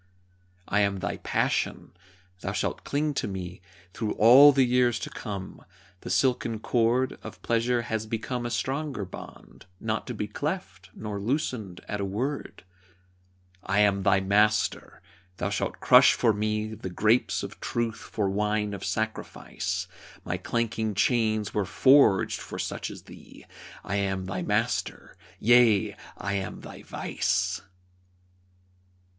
I am thy Passion. Thou shalt cling to me Through all the years to come. The silken cord Of Pleasure has become a stronger bond, Not to be cleft, nor loosened at a word. I am thy Master. Thou shalt crush for me The grapes of truth for wine of sacrifice; My clanking chains were forged for such as thee, I am thy Master yea, I am thy vice!